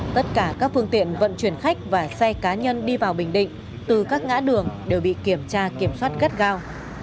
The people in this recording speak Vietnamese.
tất cả các phương tiện vận chuyển khách và xe cá nhân đi vào bình định từ các ngã đường đều bị kiểm tra kiểm soát gắt gao